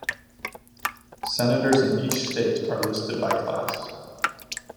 Senators in each state are listed by class.